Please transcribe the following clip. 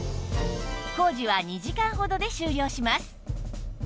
工事は２時間ほどで終了します